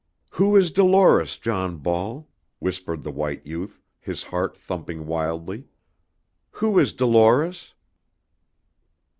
"Who is Dolores, John Ball?" whispered the white youth, his heart thumping wildly. "Who is Dolores?"